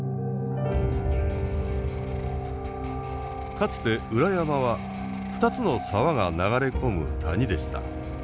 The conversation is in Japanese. かつて裏山は２つの沢が流れ込む谷でした。